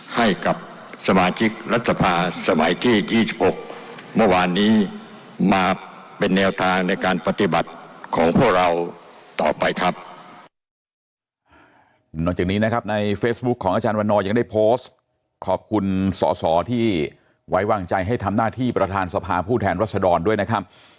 ให้กับสมาชิกรัฐสภาสมัยที่๒๖เมื่อวานนี้มาเป็นแนวทางในการปฏิบัติของพวกเราต่อไปครับ